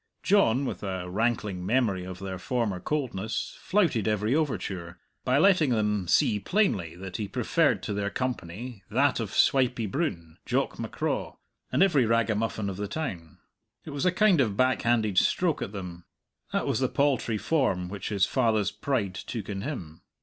John, with a rankling memory of their former coldness, flouted every overture, by letting them see plainly that he preferred to their company that of Swipey Broon, Jock M'Craw, and every ragamuffin of the town. It was a kind of back handed stroke at them. That was the paltry form which his father's pride took in him.